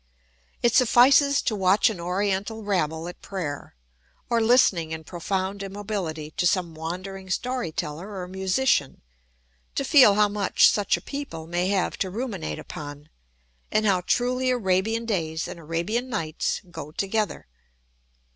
It suffices to watch an Oriental rabble at prayer, or listening in profound immobility to some wandering story teller or musician, to feel how much such a people may have to ruminate upon, and how truly Arabian days and Arabian Nights go together.